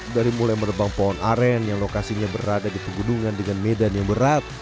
dari mulai merebang pohon aren yang lokasinya berada di pegunungan dengan medan yang berat